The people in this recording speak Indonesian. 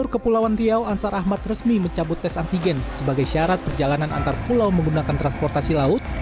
kepulauan riau ansar ahmad resmi mencabut tes antigen sebagai syarat perjalanan antar pulau